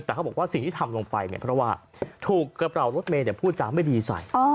แต่เขาบอกว่าสิ่งที่ทำลงไปเนี่ยเพราะว่าถูกกระเป๋ารถเมย์พูดจาไม่ดีใส่